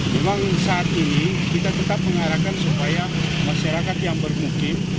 memang saat ini kita tetap mengarahkan supaya masyarakat yang bermukim